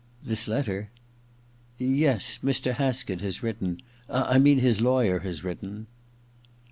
* This letter ?'* Yes — Mr. Haskett has written — I mean his lawyer has written.'